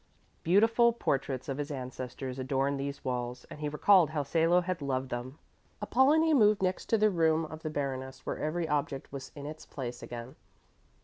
Beautiful portraits of his ancestors adorned these walls, and he recalled how Salo had loved them. Apollonie moved next to the room of the Baroness where every object was in its place again.